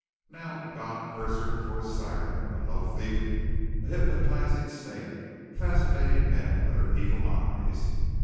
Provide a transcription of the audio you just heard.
Now God curse her for a siren, a love thief, a hypnotizing snake, fascinating men with her evil eyes.